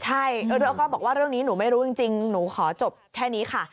ใช่แล้วก็บอกว่าเรื่องนี้หนูไม่รู้จริงหนูขอจบแค่นี้ค่ะ